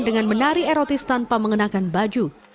dengan menari erotis tanpa mengenakan baju